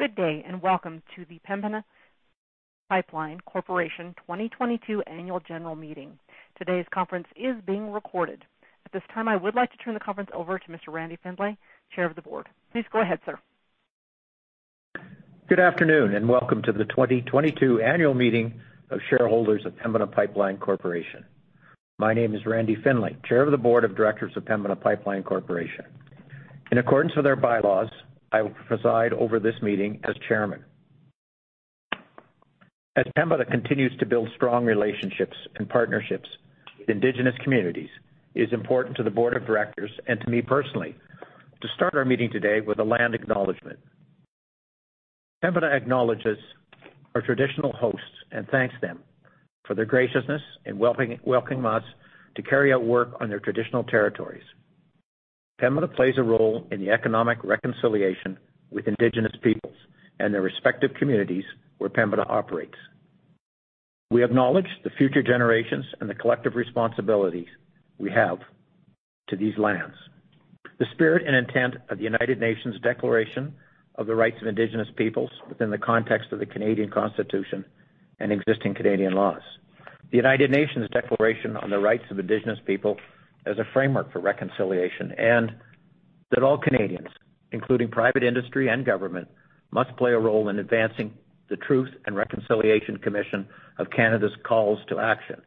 Good day, and welcome to the Pembina Pipeline Corporation 2022 Annual General Meeting. Today's conference is being recorded. At this time, I would like to turn the conference over to Mr. Randall Findlay, Chair of the Board. Please go ahead, sir. Good afternoon, and welcome to the 2022 Annual Meeting of Shareholders of Pembina Pipeline Corporation. My name is Randy Findlay, chair of the board of directors of Pembina Pipeline Corporation. In accordance with our bylaws, I will preside over this meeting as chairman. As Pembina continues to build strong relationships and partnerships with Indigenous communities, it is important to the board of directors and to me personally to start our meeting today with a land acknowledgment. Pembina acknowledges our traditional hosts and thanks them for their graciousness in welcoming us to carry out work on their traditional territories. Pembina plays a role in the economic reconciliation with Indigenous peoples and their respective communities where Pembina operates. We acknowledge the future generations and the collective responsibilities we have to these lands. The spirit and intent of the United Nations Declaration on the Rights of Indigenous Peoples within the context of the Canadian Constitution and existing Canadian laws. The United Nations Declaration on the Rights of Indigenous Peoples as a framework for reconciliation, and that all Canadians, including private industry and government, must play a role in advancing the Truth and Reconciliation Commission of Canada's Calls to Action,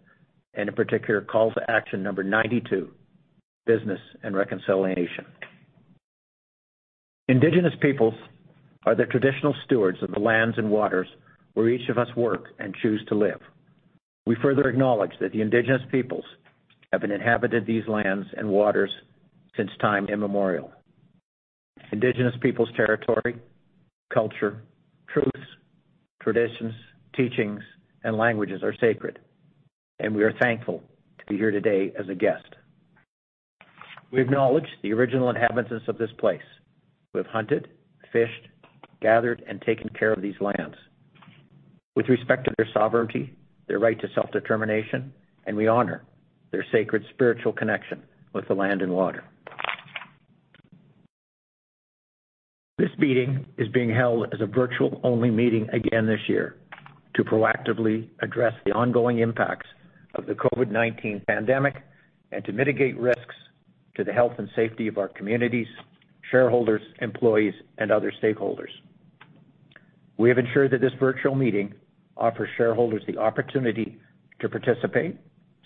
and in particular, Call to Action 92, business and reconciliation. Indigenous peoples are the traditional stewards of the lands and waters where each of us work and choose to live. We further acknowledge that the Indigenous peoples have inhabited these lands and waters since time immemorial. Indigenous peoples' territory, culture, truths, traditions, teachings, and languages are sacred, and we are thankful to be here today as a guest. We acknowledge the original inhabitants of this place who have hunted, fished, gathered, and taken care of these lands with respect to their sovereignty, their right to self-determination, and we honor their sacred spiritual connection with the land and water. This meeting is being held as a virtual-only meeting again this year to proactively address the ongoing impacts of the COVID-19 pandemic and to mitigate risks to the health and safety of our communities, shareholders, employees, and other stakeholders. We have ensured that this virtual meeting offers shareholders the opportunity to participate,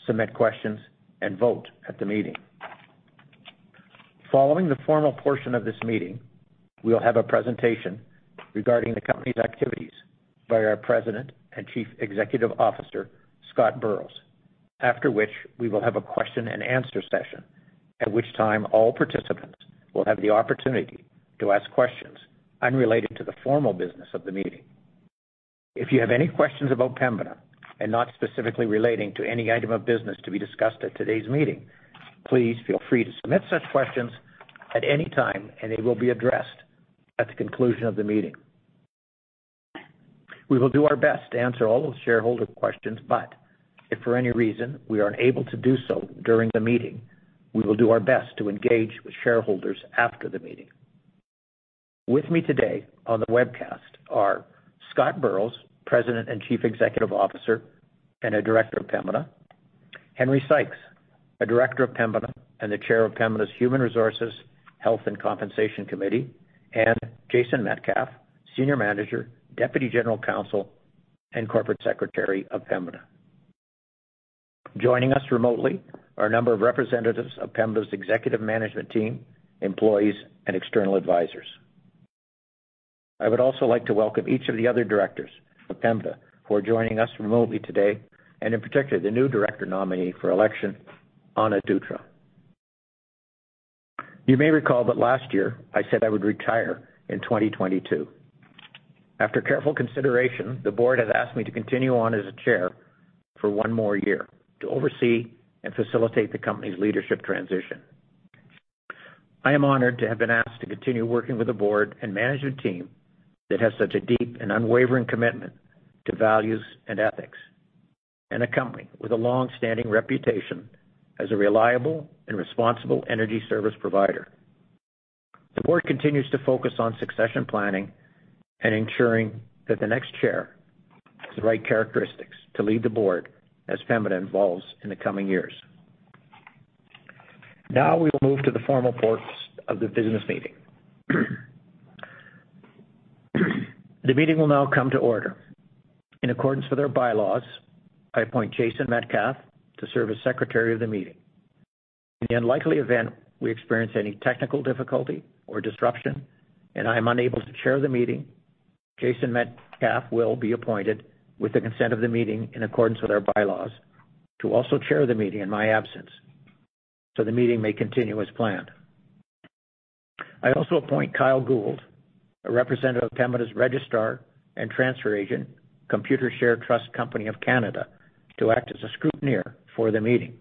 submit questions, and vote at the meeting. Following the formal portion of this meeting, we'll have a presentation regarding the company's activities by our President and Chief Executive Officer, Scott Burrows. After which, we will have a question and answer session, at which time all participants will have the opportunity to ask questions unrelated to the formal business of the meeting. If you have any questions about Pembina and not specifically relating to any item of business to be discussed at today's meeting, please feel free to submit such questions at any time, and they will be addressed at the conclusion of the meeting. We will do our best to answer all of the shareholder questions, but if for any reason we aren't able to do so during the meeting, we will do our best to engage with shareholders after the meeting. With me today on the webcast are Scott Burrows, President and Chief Executive Officer, and a Director of Pembina, Henry Sykes, a Director of Pembina and the Chair of Pembina's Human Resources, Health and Compensation Committee, and Jason Metcalf, Senior Manager, Deputy General Counsel, and Corporate Secretary of Pembina. Joining us remotely are a number of representatives of Pembina's executive management team, employees, and external advisors. I would also like to welcome each of the other directors of Pembina who are joining us remotely today, and in particular, the new director nominee for election, Ana Dutra. You may recall that last year, I said I would retire in 2022. After careful consideration, the board has asked me to continue on as Chair for one more year to oversee and facilitate the company's leadership transition. I am honored to have been asked to continue working with the board and management team that has such a deep and unwavering commitment to values and ethics, and a company with a long-standing reputation as a reliable and responsible energy service provider. The board continues to focus on succession planning and ensuring that the next chair has the right characteristics to lead the board as Pembina evolves in the coming years. Now, we will move to the formal parts of the business meeting. The meeting will now come to order. In accordance with our bylaws, I appoint Jason Metcalf to serve as secretary of the meeting. In the unlikely event we experience any technical difficulty or disruption, and I'm unable to chair the meeting, Jason Metcalf will be appointed with the consent of the meeting in accordance with our bylaws to also chair the meeting in my absence so the meeting may continue as planned. I also appoint Kyle Gould, a representative of Pembina's registrar and transfer agent, Computershare Trust Company of Canada, to act as a scrutineer for the meeting.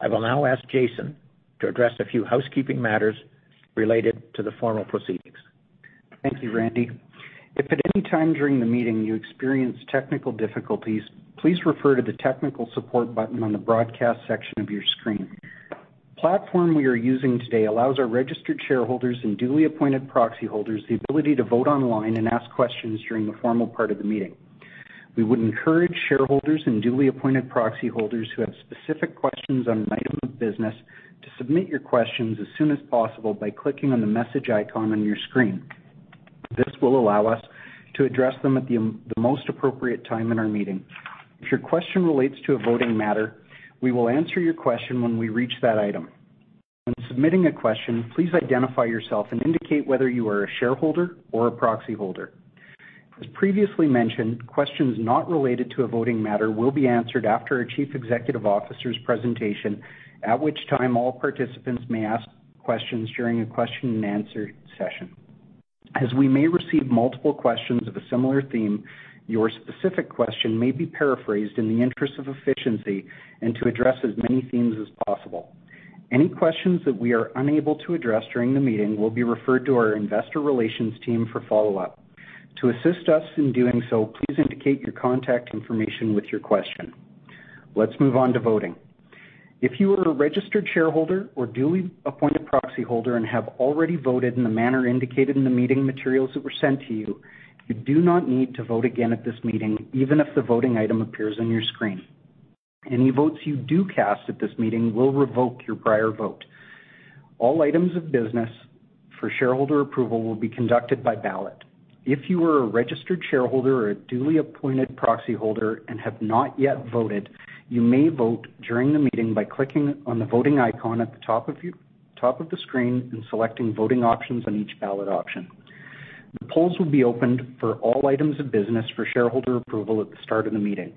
I will now ask Jason to address a few housekeeping matters related to the formal proceedings. Thank you, Randy. If at any time during the meeting you experience technical difficulties, please refer to the technical support button on the broadcast section of your screen. The platform we are using today allows our registered shareholders and duly appointed proxy holders the ability to vote online and ask questions during the formal part of the meeting. We would encourage shareholders and duly appointed proxy holders who have specific questions on an item of business to submit your questions as soon as possible by clicking on the message icon on your screen. This will allow us to address them at the most appropriate time in our meeting. If your question relates to a voting matter, we will answer your question when we reach that item. When submitting a question, please identify yourself and indicate whether you are a shareholder or a proxy holder. As previously mentioned, questions not related to a voting matter will be answered after our Chief Executive Officer's presentation, at which time all participants may ask questions during a question and answer session. As we may receive multiple questions of a similar theme, your specific question may be paraphrased in the interest of efficiency and to address as many themes as possible. Any questions that we are unable to address during the meeting will be referred to our investor relations team for follow-up. To assist us in doing so, please indicate your contact information with your question. Let's move on to voting. If you are a registered shareholder or duly appointed proxy holder and have already voted in the manner indicated in the meeting materials that were sent to you do not need to vote again at this meeting, even if the voting item appears on your screen. Any votes you do cast at this meeting will revoke your prior vote. All items of business for shareholder approval will be conducted by ballot. If you are a registered shareholder or a duly appointed proxy holder and have not yet voted, you may vote during the meeting by clicking on the voting icon at the top of the screen and selecting voting options on each ballot option. The polls will be opened for all items of business for shareholder approval at the start of the meeting.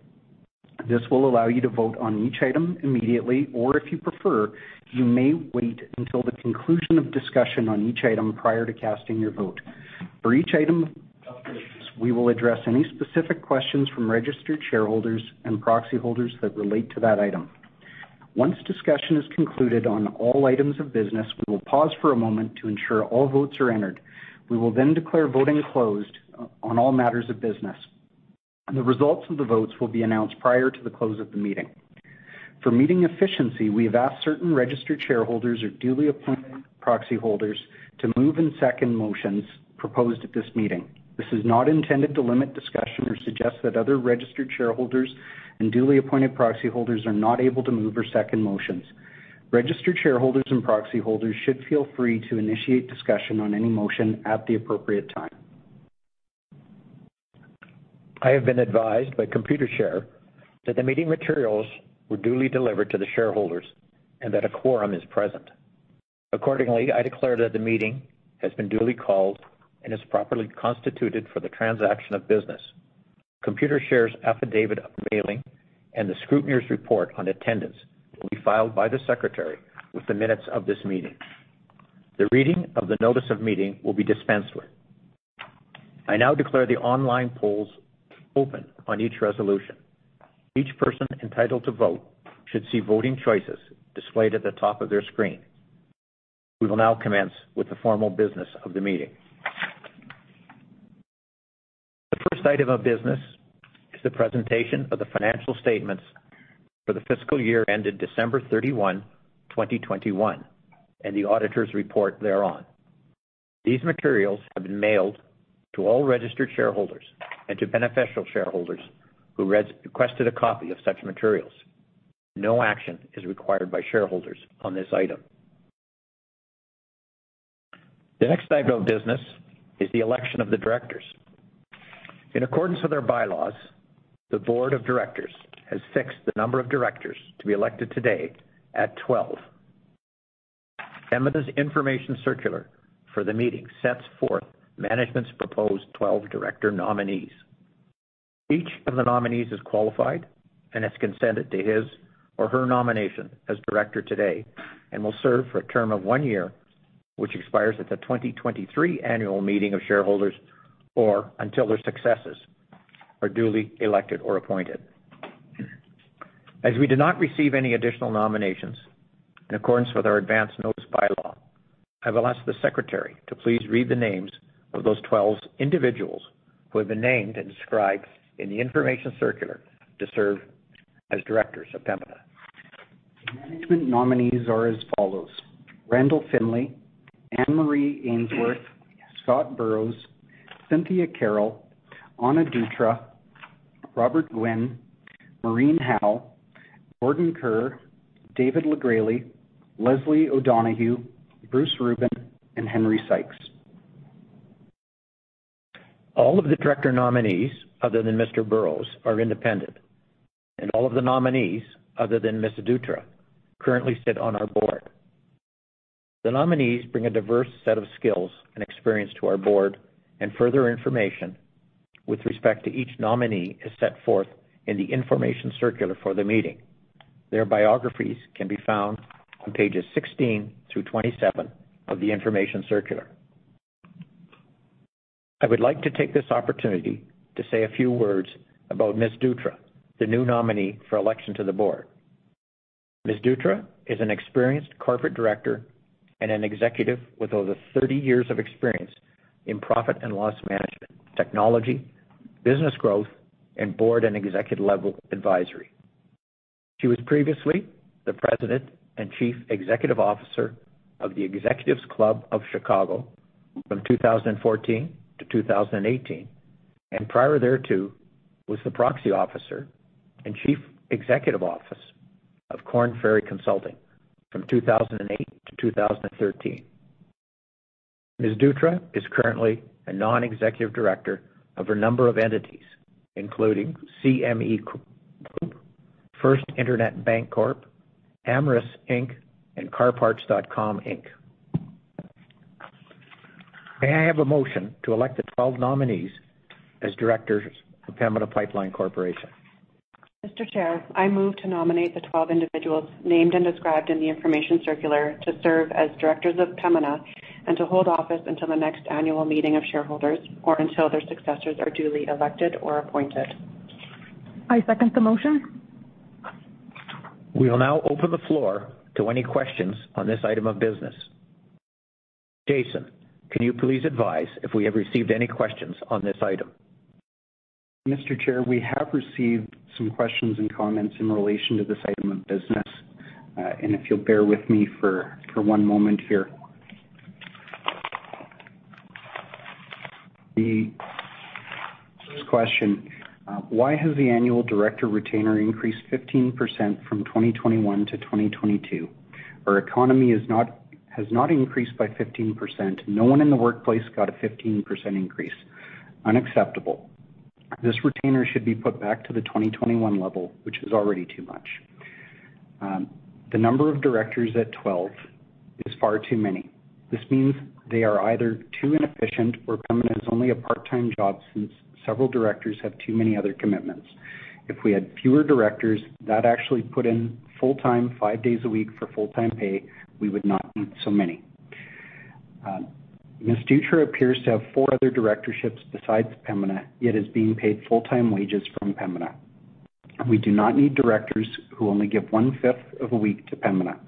This will allow you to vote on each item immediately, or if you prefer, you may wait until the conclusion of discussion on each item prior to casting your vote. For each item of business, we will address any specific questions from registered shareholders and proxy holders that relate to that item. Once discussion is concluded on all items of business, we will pause for a moment to ensure all votes are entered. We will then declare voting closed on all matters of business. The results of the votes will be announced prior to the close of the meeting. For meeting efficiency, we have asked certain registered shareholders or duly appointed proxy holders to move and second motions proposed at this meeting. This is not intended to limit discussion or suggest that other registered shareholders and duly appointed proxy holders are not able to move or second motions. Registered shareholders and proxy holders should feel free to initiate discussion on any motion at the appropriate time. I have been advised by Computershare that the meeting materials were duly delivered to the shareholders and that a quorum is present. Accordingly, I declare that the meeting has been duly called and is properly constituted for the transaction of business. Computershare's Affidavit of Mailing and the Scrutineer's Report on attendance will be filed by the secretary with the minutes of this meeting. The reading of the notice of meeting will be dispensed with. I now declare the online polls open on each resolution. Each person entitled to vote should see voting choices displayed at the top of their screen. We will now commence with the formal business of the meeting. The first item of business is the presentation of the financial statements for the fiscal year ended December 31, 2021, and the auditor's report thereon. These materials have been mailed to all registered shareholders and to beneficial shareholders who requested a copy of such materials. No action is required by shareholders on this item. The next item of business is the election of the directors. In accordance with our bylaws, the board of directors has fixed the number of directors to be elected today at 12. Pembina's information circular for the meeting sets forth management's proposed 12 director nominees. Each of the nominees is qualified and has consented to his or her nomination as director today and will serve for a term of one year, which expires at the 2023 annual meeting of shareholders or until their successors are duly elected or appointed. As we did not receive any additional nominations, in accordance with our advance notice bylaw, I will ask the secretary to please read the names of those 12 individuals who have been named and described in the information circular to serve as directors of Pembina. The management nominees are as follows. Randall Findlay, Anne-Marie Ainsworth, Scott Burrows, Cynthia Carroll, Ana Dutra, Robert G. Gwin, Maureen Howe, Gordon Kerr, David LeGresley, Leslie O'Donoghue, Bruce Rubin, and Henry Sykes. All of the director nominees other than Mr. Burrows are independent, and all of the nominees other than Ms. Dutra currently sit on our board. The nominees bring a diverse set of skills and experience to our board, and further information with respect to each nominee is set forth in the information circular for the meeting. Their biographies can be found on pages 16 through 27 of the information circular. I would like to take this opportunity to say a few words about Ms. Dutra, the new nominee for election to the board. Ms. Dutra is an experienced corporate director and an executive with over 30 years of experience in profit and loss management, technology, business growth and board and executive level advisory. She was previously the president and chief executive officer of The Executives' Club of Chicago from 2014 to 2018, and prior thereto was the proxy officer and chief executive officer of Korn Ferry from 2008 to 2013. Ms. Dutra is currently a non-executive director of a number of entities, including CME Group, First Internet Bancorp, Amesite Inc., and CarParts.com, Inc. May I have a motion to elect the 12 nominees as directors of Pembina Pipeline Corporation? Mr. Chair, I move to nominate the 12 individuals named and described in the information circular to serve as directors of Pembina and to hold office until the next annual meeting of shareholders, or until their successors are duly elected or appointed. I second the motion. We will now open the floor to any questions on this item of business. Jason, can you please advise if we have received any questions on this item? Mr. Chair, we have received some questions and comments in relation to this item of business. The first question, why has the annual director retainer increased 15% from 2021 to 2022? Our economy has not increased by 15%. No one in the workplace got a 15% increase. Unacceptable. This retainer should be put back to the 2021 level, which is already too much. The number of directors at 12 is far too many. This means they are either too inefficient or Pembina is only a part-time job since several directors have too many other commitments. If we had fewer directors that actually put in full-time, five days a week for full-time pay, we would not need so many. Ms. Dutra appears to have four other directorships besides Pembina, yet is being paid full-time wages from Pembina. We do not need directors who only give one-fifth of a week to Pembina.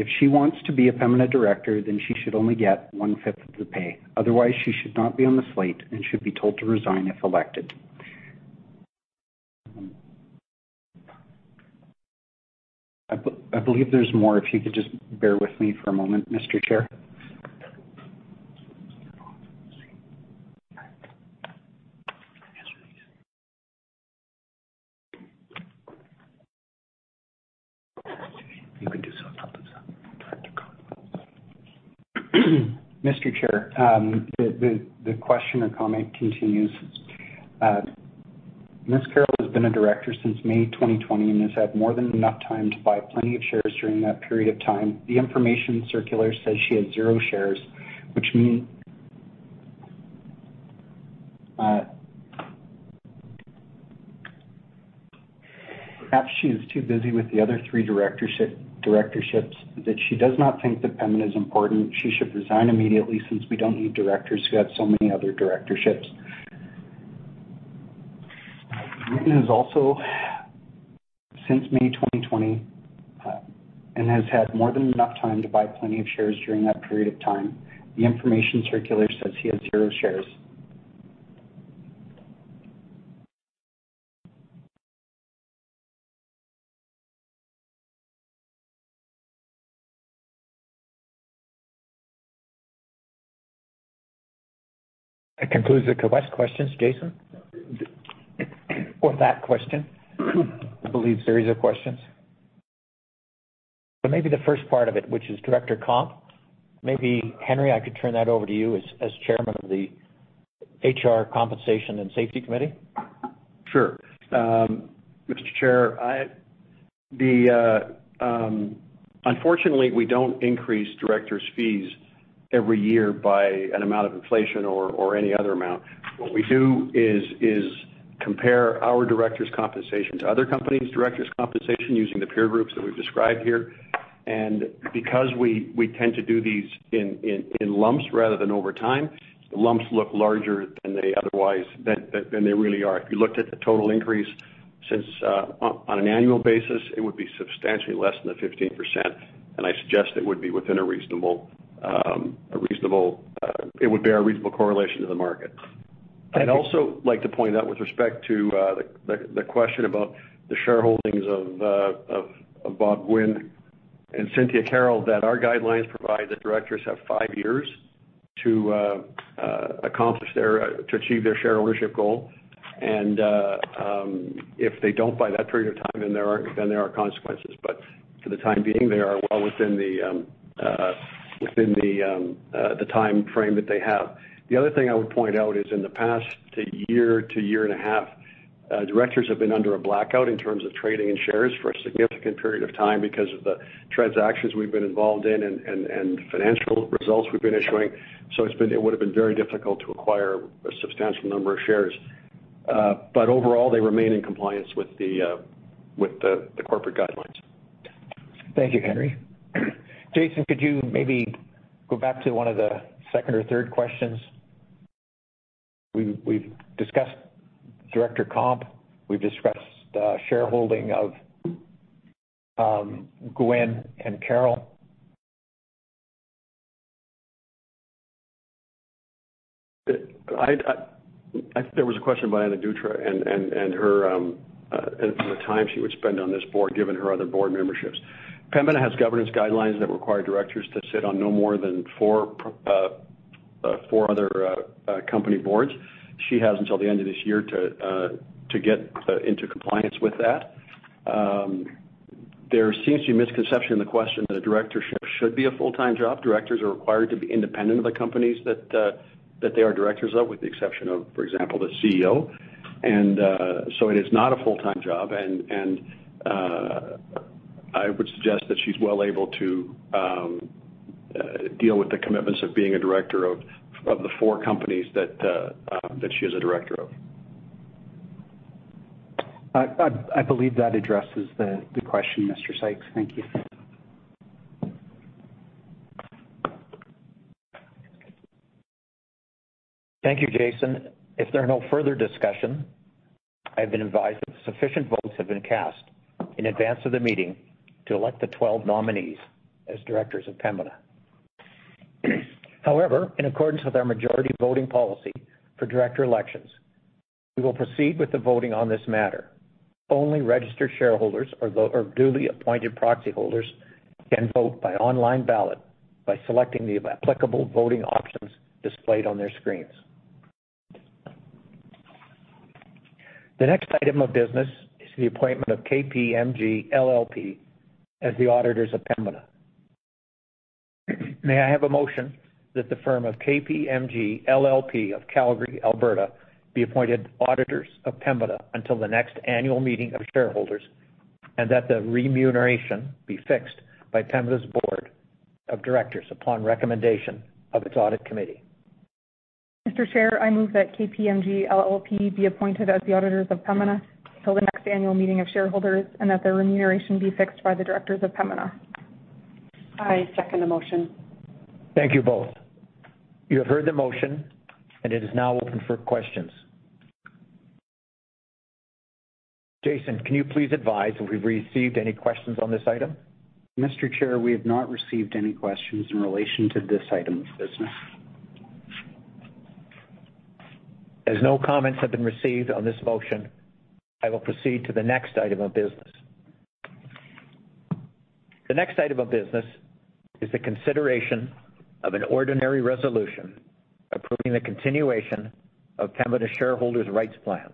If she wants to be a Pembina director, then she should only get one-fifth of the pay. Otherwise, she should not be on the slate and should be told to resign if elected. I believe there's more, if you could just bear with me for a moment, Mr. Chair. Mr. Chair, the question or comment continues. Ms. Carroll has been a director since May 2020 and has had more than enough time to buy plenty of shares during that period of time. The information circular says she has 0 shares, which means. Perhaps she is too busy with the other three directorships that she does not think that Pembina is important. She should resign immediately since we don't need directors who have so many other directorships. Gwynne is also since May 2020 and has had more than enough time to buy plenty of shares during that period of time. The information circular says he has zero shares. That concludes the questions, Jason. Or that question. I believe series of questions. Maybe the first part of it, which is director comp. Maybe Henry, I could turn that over to you as chairman of the Human Resources, Health and Compensation Committee. Sure. Mr. Chair, unfortunately, we don't increase directors' fees every year by an amount of inflation or any other amount. What we do is compare our directors' compensation to other companies' directors' compensation using the peer groups that we've described here. Because we tend to do these in lumps rather than over time, the lumps look larger than they otherwise than they really are. If you looked at the total increase since on an annual basis, it would be substantially less than the 15%. I suggest it would be within a reasonable. It would bear a reasonable correlation to the market. I'd also like to point out with respect to the question about the shareholdings of Bob Gwynne and Cynthia Carroll, that our guidelines provide that directors have five years to achieve their share ownership goal. If they don't by that period of time, then there are consequences. For the time being, they are well within the timeframe that they have. The other thing I would point out is in the past two years to a year and a half, directors have been under a blackout in terms of trading in shares for a significant period of time because of the transactions we've been involved in and financial results we've been issuing. It would have been very difficult to acquire a substantial number of shares. Overall, they remain in compliance with the corporate guidelines. Thank you, Henry. Jason, could you maybe go back to one of the second or third questions? We've discussed director comp. We've discussed shareholding of Gwin and Carroll. I think there was a question by Ana Dutra and her and the time she would spend on this board given her other board memberships. Pembina has governance guidelines that require directors to sit on no more than four other company boards. She has until the end of this year to get into compliance with that. There seems to be a misconception in the question that a directorship should be a full-time job. Directors are required to be independent of the companies that they are directors of, with the exception of, for example, the CEO. It is not a full-time job. I would suggest that she's well able to deal with the commitments of being a director of the four companies that she is a director of. I believe that addresses the question, Mr. Sykes. Thank you. Thank you, Jason. If there are no further discussion, I've been advised that sufficient votes have been cast in advance of the meeting to elect the 12 nominees as directors of Pembina. However, in accordance with our majority voting policy for director elections, we will proceed with the voting on this matter. Only registered shareholders or duly appointed proxy holders can vote by online ballot by selecting the applicable voting options displayed on their screens. The next item of business is the appointment of KPMG LLP as the auditors of Pembina. May I have a motion that the firm of KPMG LLP of Calgary, Alberta be appointed auditors of Pembina until the next annual meeting of shareholders, and that the remuneration be fixed by Pembina's board of directors upon recommendation of its audit committee. Mr. Chair, I move that KPMG LLP be appointed as the auditors of Pembina till the next annual meeting of shareholders, and that their remuneration be fixed by the directors of Pembina. I second the motion. Thank you both. You have heard the motion, and it is now open for questions. Jason, can you please advise if we've received any questions on this item? Mr. Chair, we have not received any questions in relation to this item of business. As no comments have been received on this motion, I will proceed to the next item of business. The next item of business is the consideration of an ordinary resolution approving the continuation of Pembina's shareholders' rights plan,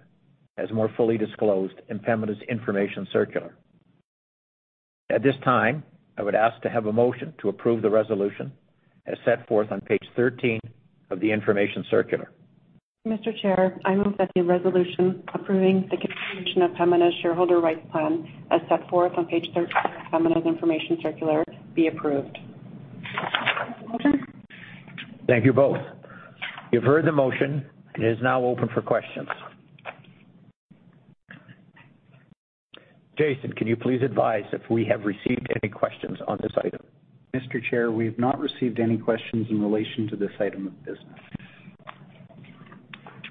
as more fully disclosed in Pembina's information circular. At this time, I would ask to have a motion to approve the resolution as set forth on page 13 of the information circular. Mr. Chair, I move that the resolution approving the continuation of Pembina's shareholder rights plan, as set forth on page 13 of Pembina's information circular, be approved. Second. Thank you both. You've heard the motion. It is now open for questions. Jason, can you please advise if we have received any questions on this item? Mr. Chair, we have not received any questions in relation to this item of business.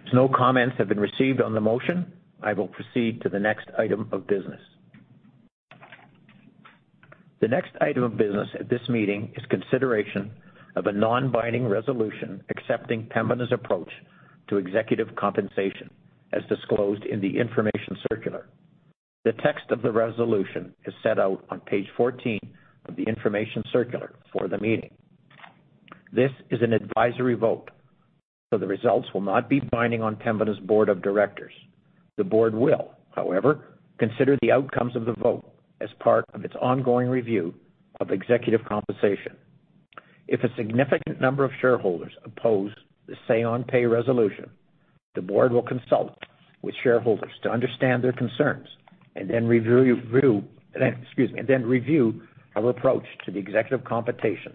As no comments have been received on the motion, I will proceed to the next item of business. The next item of business at this meeting is consideration of a non-binding resolution accepting Pembina's approach to executive compensation, as disclosed in the information circular. The text of the resolution is set out on page 14 of the information circular for the meeting. This is an advisory vote, so the results will not be binding on Pembina's board of directors. The board will, however, consider the outcomes of the vote as part of its ongoing review of executive compensation. If a significant number of shareholders oppose the say on pay resolution, the board will consult with shareholders to understand their concerns and then review our approach to the executive compensation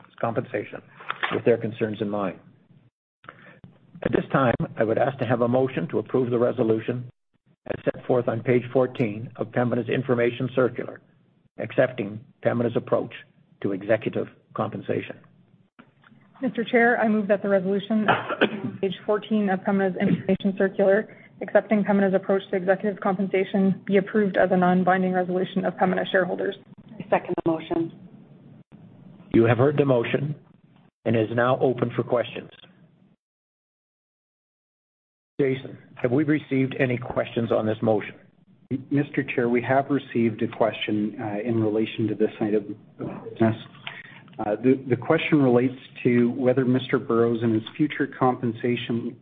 with their concerns in mind. At this time, I would ask to have a motion to approve the resolution as set forth on page 14 of Pembina's information circular, accepting Pembina's approach to executive compensation. Mr. Chair, I move that the resolution on page 14 of Pembina's information circular accepting Pembina's approach to executive compensation be approved as a non-binding resolution of Pembina shareholders. I second the motion. You have heard the motion and is now open for questions. Jason, have we received any questions on this motion? Mr. Chair, we have received a question in relation to this item of business. The question relates to whether Mr. Burrows and his future compensation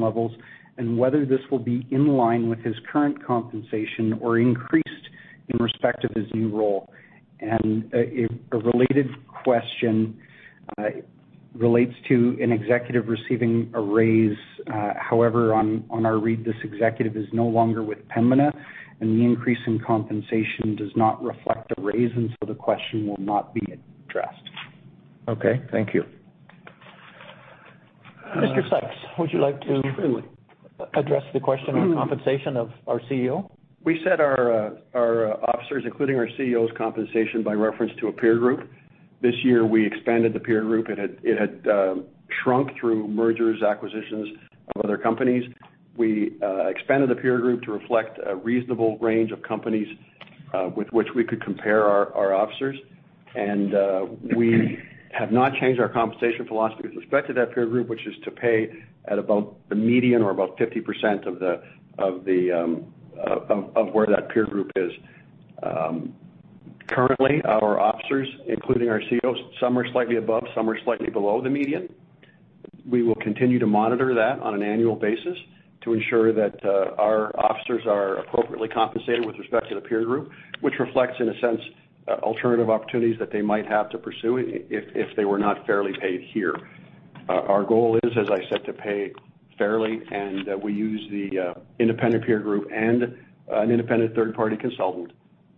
levels will be in line with his current compensation or increased in respect of his new role. A related question relates to an executive receiving a raise. However, on our read, this executive is no longer with Pembina, and the increase in compensation does not reflect a raise, so the question will not be addressed. Okay. Thank you. Mr. Sykes, would you like to address the question on compensation of our CEO? We set our officers, including our CEO's compensation, by reference to a peer group. This year, we expanded the peer group. It had shrunk through mergers, acquisitions of other companies. We expanded the peer group to reflect a reasonable range of companies, with which we could compare our officers. We have not changed our compensation philosophy with respect to that peer group, which is to pay at about the median or about 50% of the where that peer group is. Currently, our officers, including our CEOs, some are slightly above, some are slightly below the median. We will continue to monitor that on an annual basis to ensure that our officers are appropriately compensated with respect to the peer group, which reflects, in a sense, alternative opportunities that they might have to pursue if they were not fairly paid here. Our goal is, as I said, to pay fairly, and we use the independent peer group and an independent third-party consultant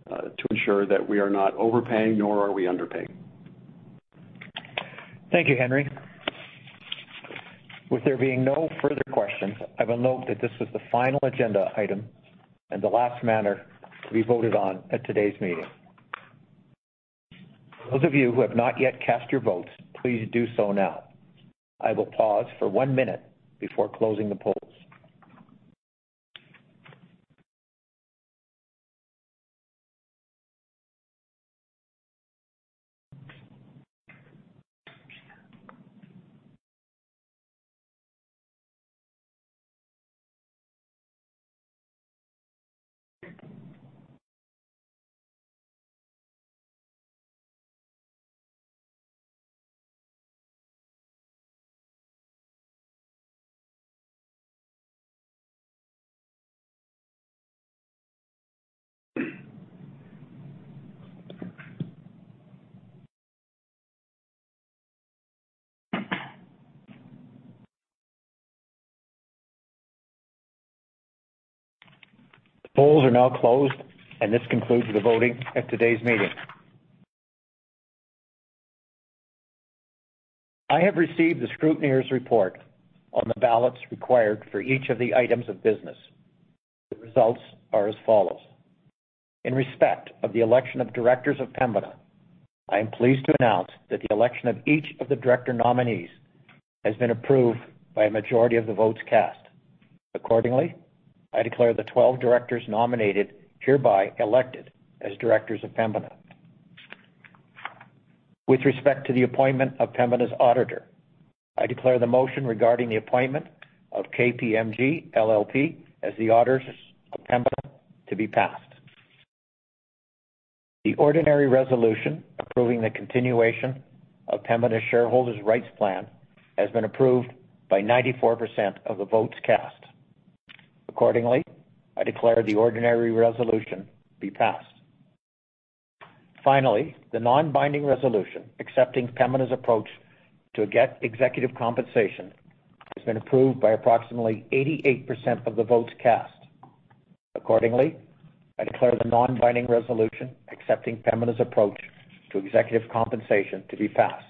to ensure that we are not overpaying, nor are we underpaying. Thank you, Henry. With there being no further questions, I will note that this was the final agenda item and the last matter to be voted on at today's meeting. Those of you who have not yet cast your votes, please do so now. I will pause for one minute before closing the polls. The polls are now closed, and this concludes the voting at today's meeting. I have received the scrutineer's report on the ballots required for each of the items of business. The results are as follows. In respect of the election of directors of Pembina, I am pleased to announce that the election of each of the director nominees has been approved by a majority of the votes cast. Accordingly, I declare the 12 directors nominated hereby elected as directors of Pembina. With respect to the appointment of Pembina's auditor, I declare the motion regarding the appointment of KPMG LLP as the auditors of Pembina to be passed. The ordinary resolution approving the continuation of Pembina's shareholders rights plan has been approved by 94% of the votes cast. Accordingly, I declare the ordinary resolution be passed. Finally, the non-binding resolution accepting Pembina's approach to executive compensation has been approved by approximately 88% of the votes cast. Accordingly, I declare the non-binding resolution accepting Pembina's approach to executive compensation to be passed.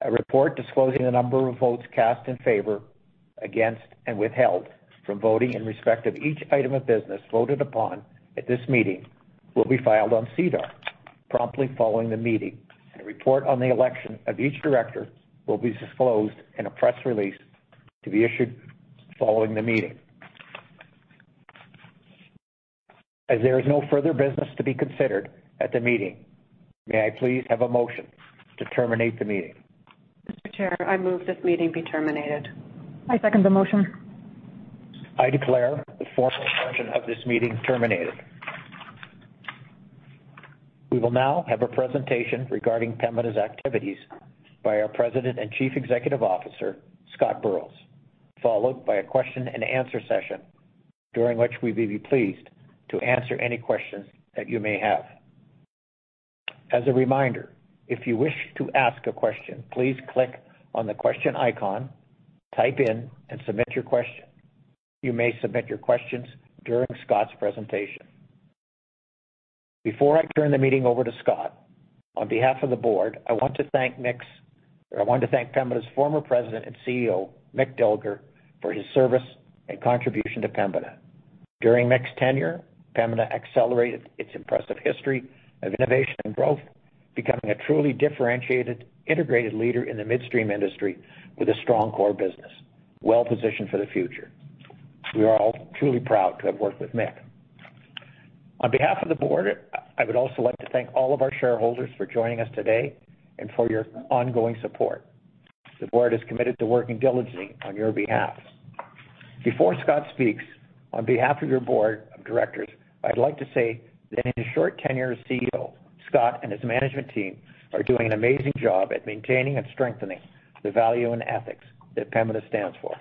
A report disclosing the number of votes cast in favor, against, and withheld from voting in respect of each item of business voted upon at this meeting will be filed on SEDAR promptly following the meeting. A report on the election of each director will be disclosed in a press release to be issued following the meeting. As there is no further business to be considered at the meeting, may I please have a motion to terminate the meeting? Mr. Chair, I move this meeting be terminated. I second the motion. I declare the formal portion of this meeting terminated. We will now have a presentation regarding Pembina's activities by our President and Chief Executive Officer, Scott Burrows, followed by a question-and-answer session, during which we will be pleased to answer any questions that you may have. As a reminder, if you wish to ask a question, please click on the question icon, type in, and submit your question. You may submit your questions during Scott's presentation. Before I turn the meeting over to Scott, on behalf of the board, I want to thank Pembina's former president and CEO, Mick Dilger, for his service and contribution to Pembina. During Mick's tenure, Pembina accelerated its impressive history of innovation and growth, becoming a truly differentiated, integrated leader in the midstream industry with a strong core business, well-positioned for the future. We are all truly proud to have worked with Mick. On behalf of the board, I would also like to thank all of our shareholders for joining us today and for your ongoing support. The board is committed to working diligently on your behalf. Before Scott speaks, on behalf of your board of directors, I'd like to say that in his short tenure as CEO, Scott and his management team are doing an amazing job at maintaining and strengthening the value and ethics that Pembina stands for.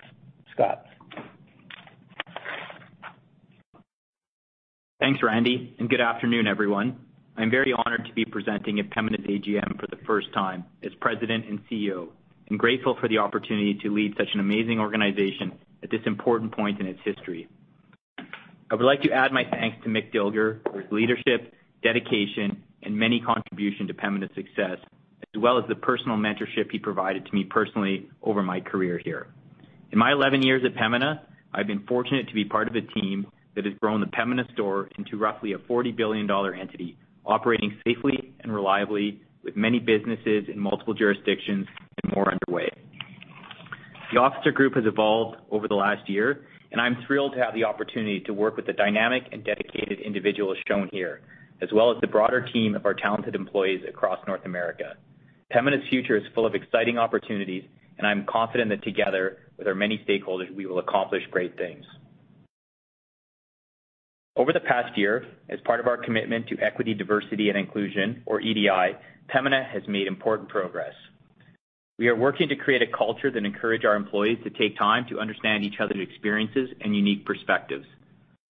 Scott. Thanks, Randy, and good afternoon, everyone. I'm very honored to be presenting at Pembina's AGM for the first time as president and CEO and grateful for the opportunity to lead such an amazing organization at this important point in its history. I would like to add my thanks to Mick Dilger for his leadership, dedication, and many contribution to Pembina's success, as well as the personal mentorship he provided to me personally over my career here. In my 11 years at Pembina, I've been fortunate to be part of a team that has grown the Pembina store into roughly a 40 billion-dollar entity, operating safely and reliably with many businesses in multiple jurisdictions and more. The officer group has evolved over the last year. I'm thrilled to have the opportunity to work with the dynamic and dedicated individuals shown here, as well as the broader team of our talented employees across North America. Pembina's future is full of exciting opportunities, and I'm confident that together with our many stakeholders, we will accomplish great things. Over the past year, as part of our commitment to equity, diversity, and inclusion or EDI, Pembina has made important progress. We are working to create a culture that encourage our employees to take time to understand each other's experiences and unique perspectives.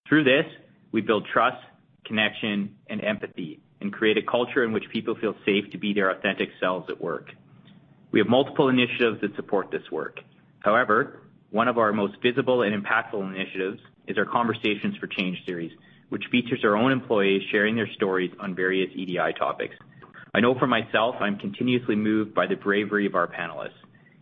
Through this, we build trust, connection, and empathy, and create a culture in which people feel safe to be their authentic selves at work. We have multiple initiatives that support this work. However, one of our most visible and impactful initiatives is our Conversations for Change series, which features our own employees sharing their stories on various EDI topics. I know for myself, I'm continuously moved by the bravery of our panelists.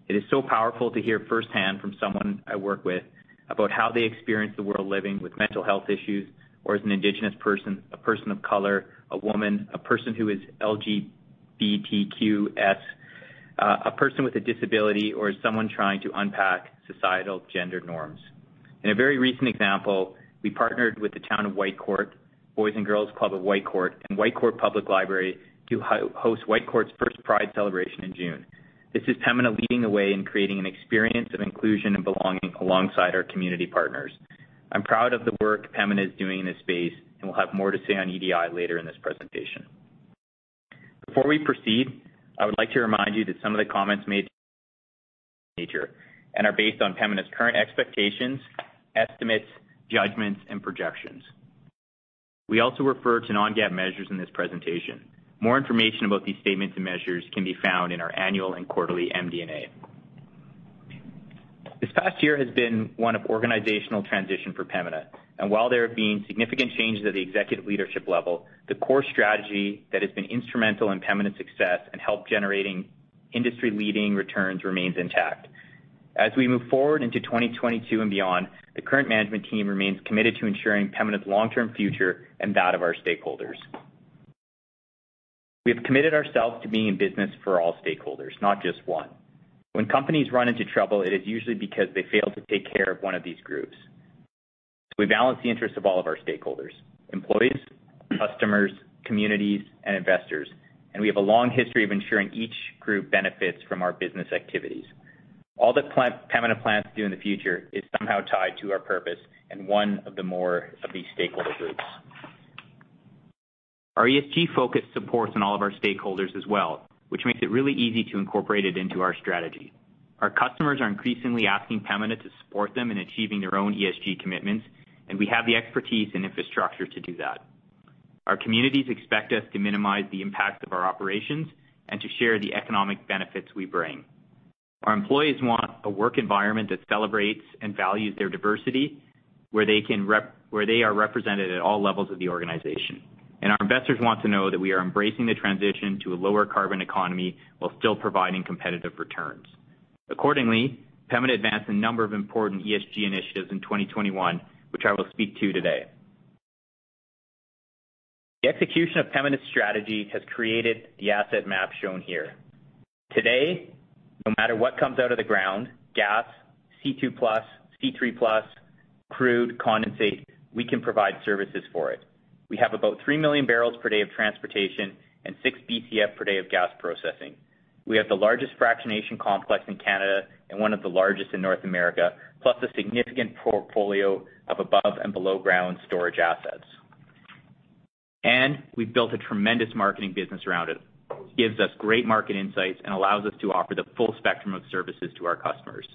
It is so powerful to hear firsthand from someone I work with about how they experience the world living with mental health issues, or as an Indigenous person, a person of color, a woman, a person who is LGBTQ2S+, a person with a disability, or someone trying to unpack societal gender norms. In a very recent example, we partnered with the town of Whitecourt, Boys and Girls Club of Whitecourt, and Whitecourt Public Library to host Whitecourt's first Pride celebration in June. This is Pembina leading the way in creating an experience of inclusion and belonging alongside our community partners. I'm proud of the work Pembina is doing in this space, and we'll have more to say on EDI later in this presentation. Before we proceed, I would like to remind you that some of the comments made today are based on Pembina's current expectations, estimates, judgments, and projections. We also refer to non-GAAP measures in this presentation. More information about these statements and measures can be found in our annual and quarterly MD&A. This past year has been one of organizational transition for Pembina, and while there have been significant changes at the executive leadership level, the core strategy that has been instrumental in Pembina's success and help generating industry leading returns remains intact. As we move forward into 2022 and beyond, the current management team remains committed to ensuring Pembina's long-term future and that of our stakeholders. We have committed ourselves to being in business for all stakeholders, not just one. When companies run into trouble, it is usually because they fail to take care of one of these groups. So we balance the interests of all of our stakeholders, employees, customers, communities, and investors. We have a long history of ensuring each group benefits from our business activities. Pembina plans to do in the future is somehow tied to our purpose and one or more of these stakeholder groups. Our ESG focus supports all of our stakeholders as well, which makes it really easy to incorporate it into our strategy. Our customers are increasingly asking Pembina to support them in achieving their own ESG commitments, and we have the expertise and infrastructure to do that. Our communities expect us to minimize the impact of our operations and to share the economic benefits we bring. Our employees want a work environment that celebrates and values their diversity, where they are represented at all levels of the organization. Our investors want to know that we are embracing the transition to a lower carbon economy while still providing competitive returns. Accordingly, Pembina advanced a number of important ESG initiatives in 2021, which I will speak to today. The execution of Pembina's strategy has created the asset map shown here. Today, no matter what comes out of the ground, gas, C2+, C3+, crude, condensate, we can provide services for it. We have about 3 million barrels per day of transportation and 6 BCF per day of gas processing. We have the largest fractionation complex in Canada and one of the largest in North America, plus a significant portfolio of above and below ground storage assets. We've built a tremendous marketing business around it. Gives us great market insights and allows us to offer the full spectrum of services to our customers.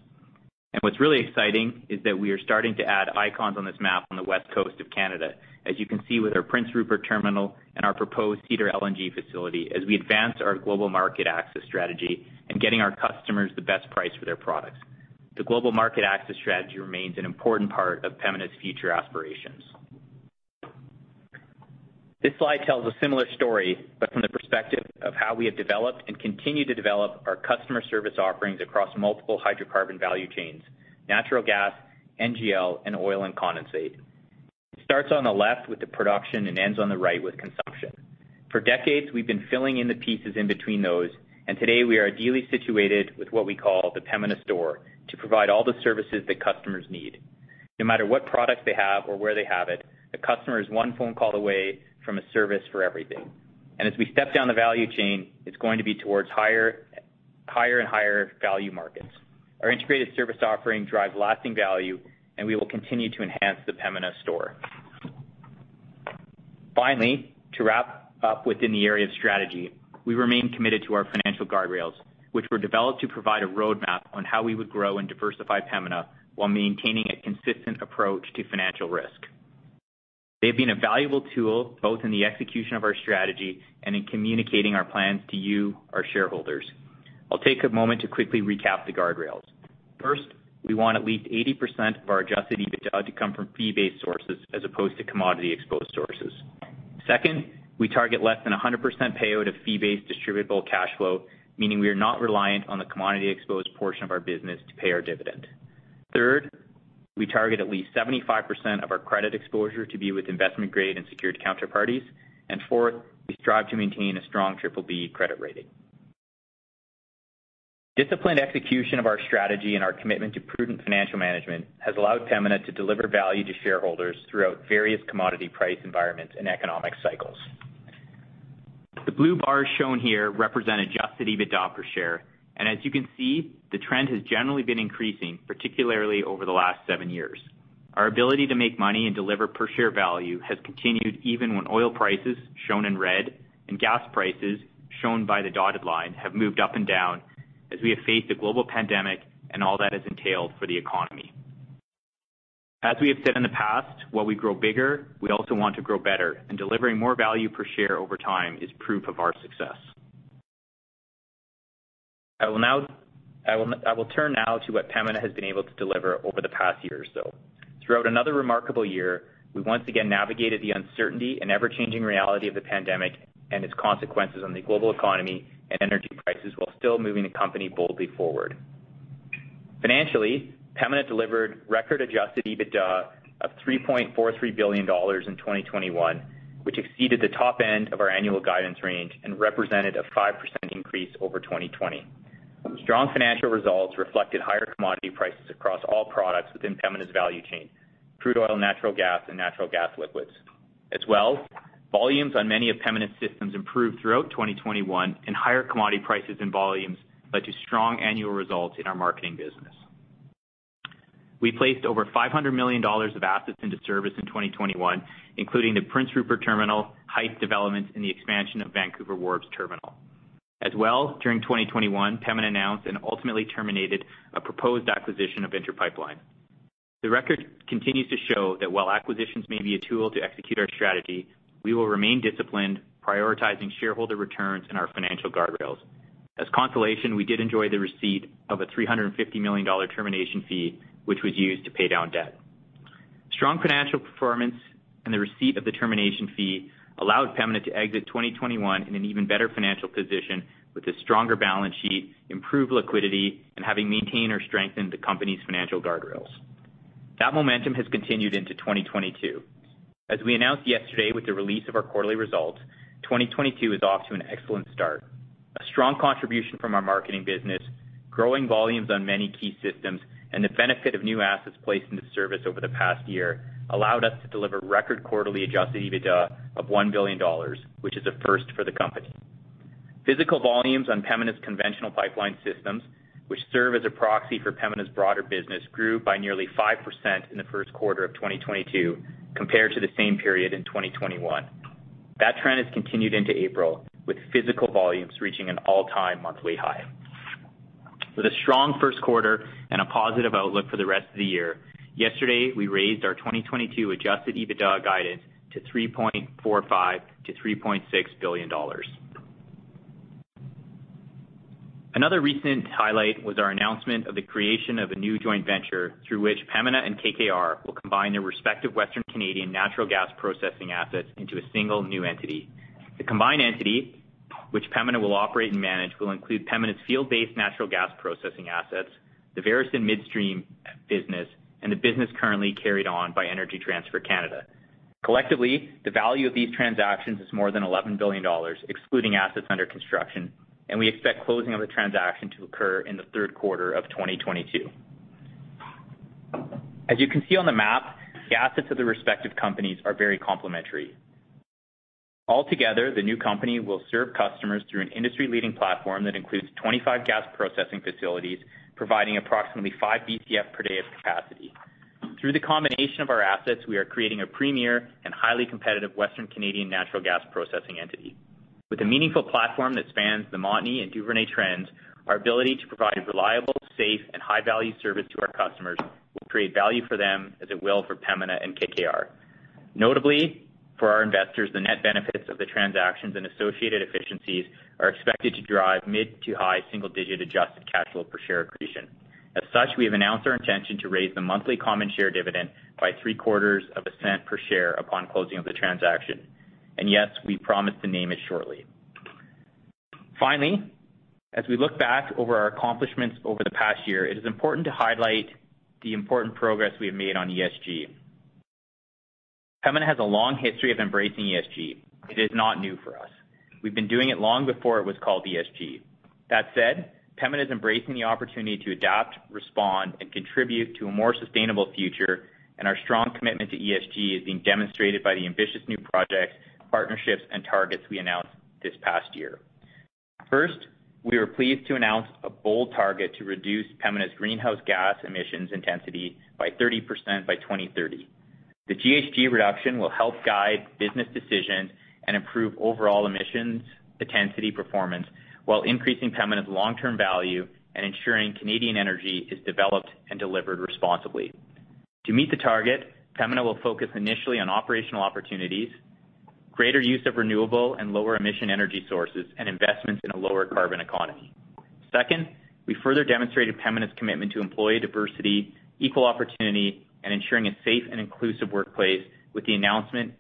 What's really exciting is that we are starting to add icons on this map on the West Coast of Canada, as you can see with our Prince Rupert Terminal and our proposed Cedar LNG facility as we advance our global market access strategy and getting our customers the best price for their products. The global market access strategy remains an important part of Pembina's future aspirations. This slide tells a similar story, but from the perspective of how we have developed and continue to develop our customer service offerings across multiple hydrocarbon value chains, natural gas, NGL, and oil and condensate. It starts on the left with the production and ends on the right with consumption. For decades, we've been filling in the pieces in between those, and today we are ideally situated with what we call the Pembina store to provide all the services that customers need. No matter what product they have or where they have it, the customer is one phone call away from a service for everything. As we step down the value chain, it's going to be towards higher and higher value markets. Our integrated service offering drive lasting value, and we will continue to enhance the Pembina store. Finally, to wrap up within the area of strategy, we remain committed to our financial guardrails, which were developed to provide a roadmap on how we would grow and diversify Pembina while maintaining a consistent approach to financial risk. They've been a valuable tool both in the execution of our strategy and in communicating our plans to you, our shareholders. I'll take a moment to quickly recap the guardrails. First, we want at least 80% of our adjusted EBITDA to come from fee-based sources as opposed to commodity exposed sources. Second, we target less than 100% payout of fee-based distributable cash flow, meaning we are not reliant on the commodity exposed portion of our business to pay our dividend. Third, we target at least 75% of our credit exposure to be with investment-grade and secured counterparties. Fourth, we strive to maintain a strong BBB credit rating. Disciplined execution of our strategy and our commitment to prudent financial management has allowed Pembina to deliver value to shareholders throughout various commodity price environments and economic cycles. The blue bars shown here represent adjusted EBITDA per share, and as you can see, the trend has generally been increasing, particularly over the last seven years. Our ability to make money and deliver per share value has continued even when oil prices, shown in red, and gas prices, shown by the dotted line, have moved up and down as we have faced a global pandemic and all that has entailed for the economy. As we have said in the past, while we grow bigger, we also want to grow better, and delivering more value per share over time is proof of our success. I will turn now to what Pembina has been able to deliver over the past year or so. Throughout another remarkable year, we once again navigated the uncertainty and ever-changing reality of the pandemic and its consequences on the global economy and energy prices while still moving the company boldly forward. Financially, Pembina delivered record adjusted EBITDA of 3.43 billion dollars in 2021, which exceeded the top end of our annual guidance range and represented a 5% increase over 2020. Strong financial results reflected higher commodity prices across all products within Pembina's value chain, crude oil, natural gas, and natural gas liquids. As well, volumes on many of Pembina's systems improved throughout 2021, and higher commodity prices and volumes led to strong annual results in our marketing business. We placed over 500 million dollars of assets into service in 2021, including the Prince Rupert Terminal, Hythe developments, and the expansion of Vancouver Wharves Terminal. As well, during 2021, Pembina announced and ultimately terminated a proposed acquisition of Inter Pipeline. The record continues to show that while acquisitions may be a tool to execute our strategy, we will remain disciplined, prioritizing shareholder returns and our financial guardrails. As consolation, we did enjoy the receipt of a 350 million dollar termination fee, which was used to pay down debt. Strong financial performance and the receipt of the termination fee allowed Pembina to exit 2021 in an even better financial position with a stronger balance sheet, improved liquidity, and having maintained or strengthened the company's financial guardrails. That momentum has continued into 2022. As we announced yesterday with the release of our quarterly results, 2022 is off to an excellent start. A strong contribution from our marketing business, growing volumes on many key systems, and the benefit of new assets placed into service over the past year allowed us to deliver record quarterly adjusted EBITDA of 1 billion dollars, which is a first for the company. Physical volumes on Pembina's conventional pipeline systems, which serve as a proxy for Pembina's broader business, grew by nearly 5% in the first quarter of 2022 compared to the same period in 2021. That trend has continued into April with physical volumes reaching an all-time monthly high. With a strong first quarter and a positive outlook for the rest of the year, yesterday, we raised our 2022 adjusted EBITDA guidance to 3.45 billion-3.6 billion dollars. Another recent highlight was our announcement of the creation of a new joint venture through which Pembina and KKR will combine their respective Western Canadian natural gas processing assets into a single new entity. The combined entity, which Pembina will operate and manage, will include Pembina's field-based natural gas processing assets, the Veresen Midstream business, and the business currently carried on by Energy Transfer Canada. Collectively, the value of these transactions is more than 11 billion dollars, excluding assets under construction, and we expect closing of the transaction to occur in the third quarter of 2022. As you can see on the map, the assets of the respective companies are very complementary. Altogether, the new company will serve customers through an industry-leading platform that includes 25 gas processing facilities, providing approximately 5 BCF per day of capacity. Through the combination of our assets, we are creating a premier and highly competitive Western Canadian natural gas processing entity. With a meaningful platform that spans the Montney and Duvernay trends, our ability to provide a reliable, safe, and high-value service to our customers will create value for them as it will for Pembina and KKR. Notably, for our investors, the net benefits of the transactions and associated efficiencies are expected to drive mid- to high single-digit adjusted cash flow per share accretion. As such, we have announced our intention to raise the monthly common share dividend by three-quarters of a cent per share upon closing of the transaction. Yes, we promise to name it shortly. Finally, as we look back over our accomplishments over the past year, it is important to highlight the important progress we have made on ESG. Pembina has a long history of embracing ESG. It is not new for us. We've been doing it long before it was called ESG. That said, Pembina is embracing the opportunity to adapt, respond, and contribute to a more sustainable future, and our strong commitment to ESG is being demonstrated by the ambitious new projects, partnerships, and targets we announced this past year. First, we are pleased to announce a bold target to reduce Pembina's greenhouse gas emissions intensity by 30% by 2030. The GHG reduction will help guide business decisions and improve overall emissions intensity performance while increasing Pembina's long-term value and ensuring Canadian energy is developed and delivered responsibly. To meet the target, Pembina will focus initially on operational opportunities, greater use of renewable and lower emission energy sources, and investments in a lower carbon economy. Second, we further demonstrated Pembina's commitment to employee diversity, equal opportunity, and ensuring a safe and inclusive workplace with the announcement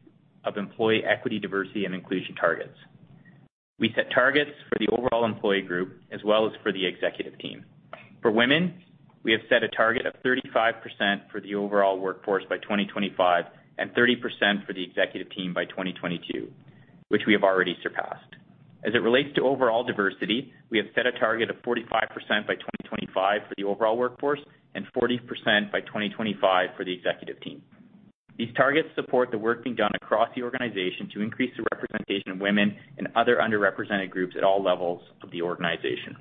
of employee equity, diversity, and inclusion targets. We set targets for the overall employee group as well as for the executive team. For women, we have set a target of 35% for the overall workforce by 2025 and 30% for the executive team by 2022, which we have already surpassed. As it relates to overall diversity, we have set a target of 45% by 2025 for the overall workforce and 40% by 2025 for the executive team. These targets support the work being done across the organization to increase the representation of women and other underrepresented groups at all levels of the organization.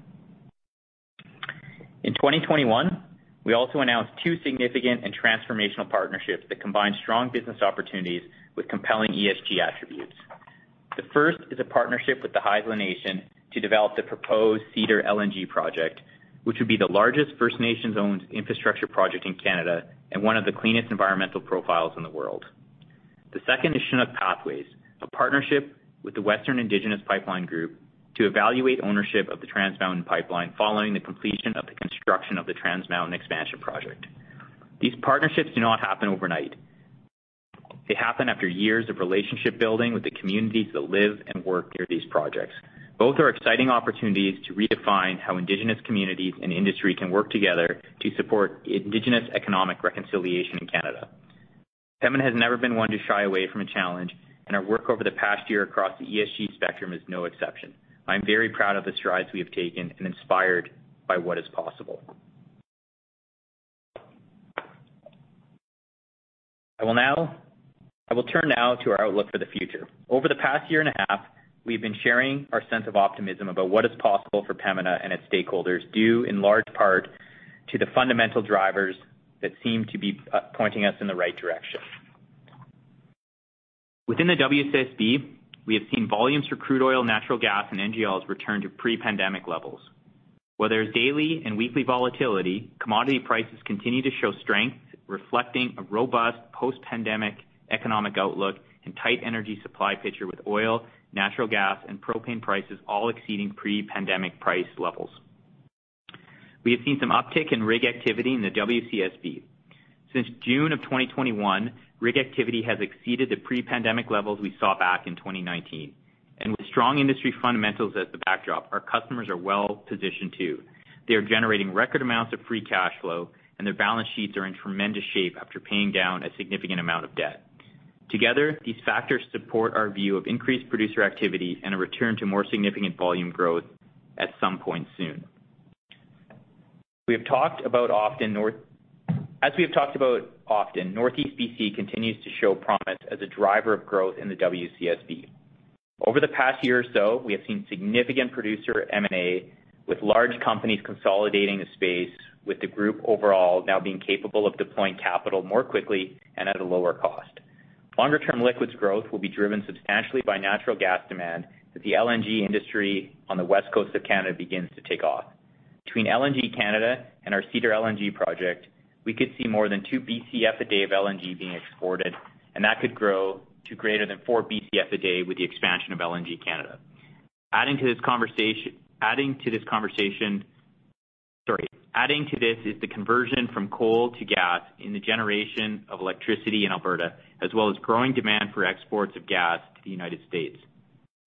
In 2021, we also announced two significant and transformational partnerships that combine strong business opportunities with compelling ESG attributes. The first is a partnership with the Haisla Nation to develop the proposed Cedar LNG project, which would be the largest First Nations-owned infrastructure project in Canada and one of the cleanest environmental profiles in the world. The second is Chinook Pathways, a partnership with the Western Indigenous Pipeline Group to evaluate ownership of the Trans Mountain pipeline following the completion of the construction of the Trans Mountain expansion project. These partnerships do not happen overnight. They happen after years of relationship building with the communities that live and work near these projects. Both are exciting opportunities to redefine how indigenous communities and industry can work together to support indigenous economic reconciliation in Canada. Pembina has never been one to shy away from a challenge, and our work over the past year across the ESG spectrum is no exception. I'm very proud of the strides we have taken and inspired by what is possible. I will turn now to our outlook for the future. Over the past year and a half, we've been sharing our sense of optimism about what is possible for Pembina and its stakeholders, due in large part to the fundamental drivers that seem to be pointing us in the right direction. Within the WCSB, we have seen volumes for crude oil, natural gas, and NGLs return to pre-pandemic levels. While there's daily and weekly volatility, commodity prices continue to show strength, reflecting a robust post-pandemic economic outlook and tight energy supply picture with oil, natural gas, and propane prices all exceeding pre-pandemic price levels. We have seen some uptick in rig activity in the WCSB. Since June 2021, rig activity has exceeded the pre-pandemic levels we saw back in 2019. With strong industry fundamentals as the backdrop, our customers are well-positioned too. They are generating record amounts of free cash flow, and their balance sheets are in tremendous shape after paying down a significant amount of debt. Together, these factors support our view of increased producer activity and a return to more significant volume growth at some point soon. As we have talked about often, Northeast BC continues to show promise as a driver of growth in the WCSB. Over the past year or so, we have seen significant producer M&A, with large companies consolidating the space with the group overall now being capable of deploying capital more quickly and at a lower cost. Longer-term liquids growth will be driven substantially by natural gas demand as the LNG industry on the West Coast of Canada begins to take off. Between LNG Canada and our Cedar LNG project, we could see more than 2 BCF a day of LNG being exported, and that could grow to greater than 4 BCF a day with the expansion of LNG Canada. Adding to this is the conversion from coal to gas in the generation of electricity in Alberta, as well as growing demand for exports of gas to the United States.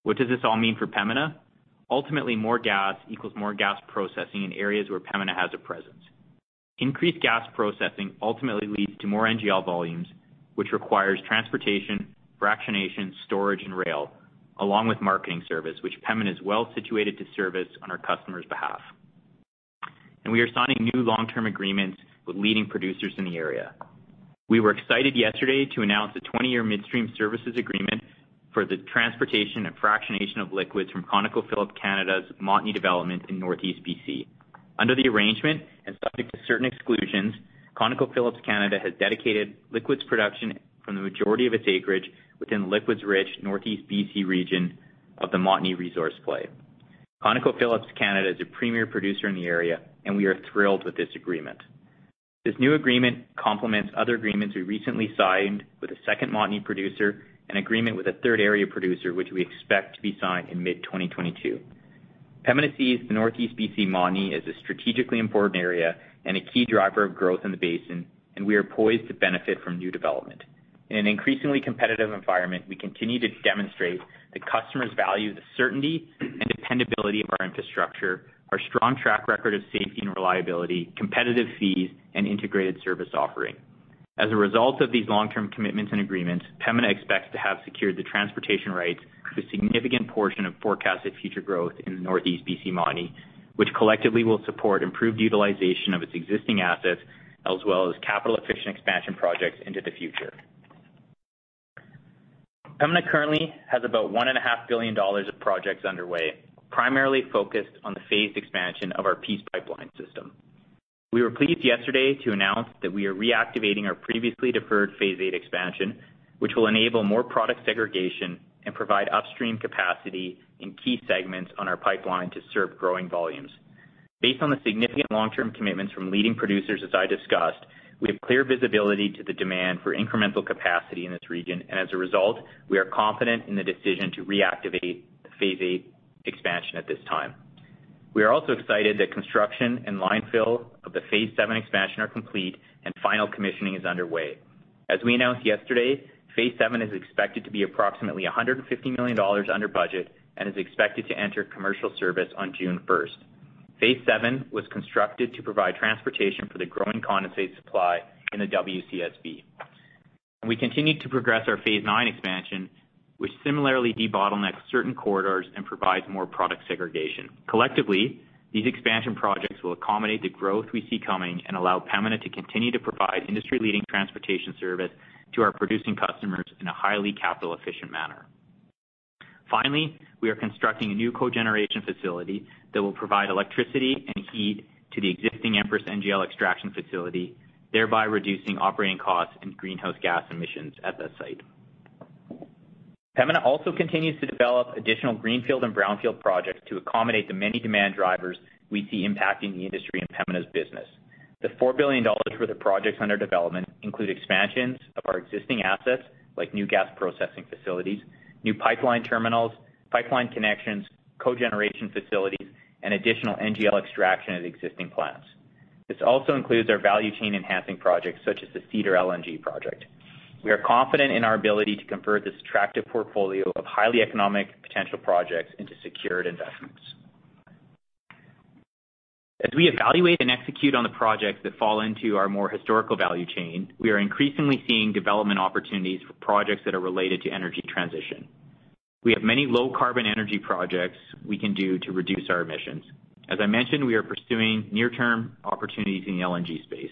What does this all mean for Pembina? Ultimately, more gas equals more gas processing in areas where Pembina has a presence. Increased gas processing ultimately leads to more NGL volumes, which requires transportation, fractionation, storage, and rail, along with marketing service, which Pembina is well situated to service on our customer's behalf. We are signing new long-term agreements with leading producers in the area. We were excited yesterday to announce a 20-year midstream services agreement for the transportation and fractionation of liquids from ConocoPhillips Canada's Montney development in Northeast BC. Under the arrangement, and subject to certain exclusions, ConocoPhillips Canada has dedicated liquids production from the majority of its acreage within the liquids-rich Northeast BC region of the Montney resource play. ConocoPhillips Canada is a premier producer in the area, and we are thrilled with this agreement. This new agreement complements other agreements we recently signed with a second Montney producer and agreement with a third-area producer, which we expect to be signed in mid-2022. Pembina sees the Northeast BC Montney as a strategically important area and a key driver of growth in the basin, and we are poised to benefit from new development. In an increasingly competitive environment, we continue to demonstrate that customers value the certainty and dependability of our infrastructure, our strong track record of safety and reliability, competitive fees, and integrated service offering. As a result of these long-term commitments and agreements, Pembina expects to have secured the transportation rights to a significant portion of forecasted future growth in the Northeast BC Montney, which collectively will support improved utilization of its existing assets as well as capital-efficient expansion projects into the future. Pembina currently has about 1.5 billion dollars of projects underway, primarily focused on the phased expansion of our Peace Pipeline system. We were pleased yesterday to announce that we are reactivating our previously deferred Phase VIII expansion, which will enable more product segregation and provide upstream capacity in key segments on our pipeline to serve growing volumes. Based on the significant long-term commitments from leading producers as I discussed, we have clear visibility to the demand for incremental capacity in this region. As a result, we are confident in the decision to reactivate the Phase VIII expansion at this time. We are also excited that construction and line fill of the Phase VII expansion are complete and final commissioning is underway. As we announced yesterday, Phase VII is expected to be approximately 150 million dollars under budget and is expected to enter commercial service on June first. Phase VII was constructed to provide transportation for the growing condensate supply in the WCSB. We continue to progress our Phase IX expansion, which similarly debottlenecks certain corridors and provides more product segregation. Collectively, these expansion projects will accommodate the growth we see coming and allow Pembina to continue to provide industry-leading transportation service to our producing customers in a highly capital-efficient manner. Finally, we are constructing a new cogeneration facility that will provide electricity and heat to the existing Empress NGL Extraction Facility, thereby reducing operating costs and greenhouse gas emissions at that site. Pembina also continues to develop additional greenfield and brownfield projects to accommodate the many demand drivers we see impacting the industry in Pembina's business. The 4 billion dollars worth of projects under development include expansions of our existing assets, like new gas processing facilities, new pipeline terminals, pipeline connections, cogeneration facilities, and additional NGL extraction at existing plants. This also includes our value chain enhancing projects, such as the Cedar LNG project. We are confident in our ability to convert this attractive portfolio of highly economic potential projects into secured investments. As we evaluate and execute on the projects that fall into our more historical value chain, we are increasingly seeing development opportunities for projects that are related to energy transition. We have many low carbon energy projects we can do to reduce our emissions. As I mentioned, we are pursuing near-term opportunities in the LNG space.